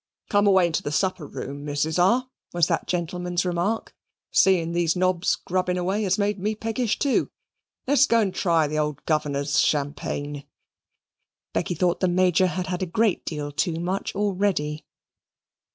"Come away into the supper room, Mrs. R.," was that gentleman's remark: "seeing these nobs grubbing away has made me peckish too. Let's go and try the old governor's champagne." Becky thought the Major had had a great deal too much already.